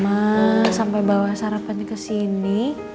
nah sampai bawa sarapan ke sini